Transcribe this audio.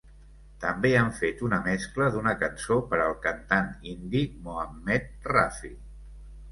També han fet una mescla d'una cançó per al cantant indi Mohammed Rafi.